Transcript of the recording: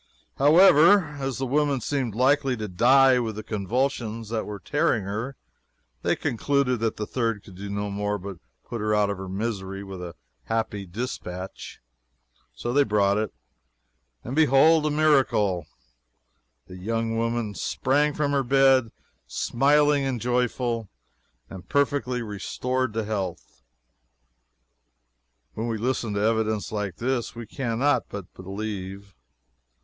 However, as the woman seemed likely to die with the convulsions that were tearing her, they concluded that the third could do no more than put her out of her misery with a happy dispatch. So they brought it, and behold, a miracle! The woman sprang from her bed, smiling and joyful, and perfectly restored to health. When we listen to evidence like this, we cannot but believe.